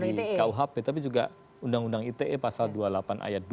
di kuhp tapi juga undang undang ite pasal dua puluh delapan ayat dua